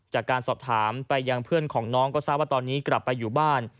จากการสอบถามไปยังเพื่อนของน้องก็ทราบว่าตอนนี้กลับไปอยู่บ้าน